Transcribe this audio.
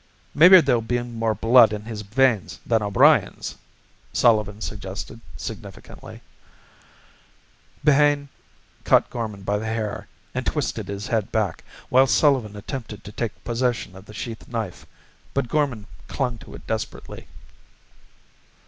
"Maybe there'll be more blood in his veins than O'Brien's," Sullivan suggested significantly. Behane caught Gorman by the hair and twisted his head back, while Sullivan attempted to take possession of the sheath knife. But Gorman clung to it desperately.